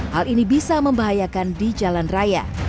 hal ini bisa membahayakan di jalan raya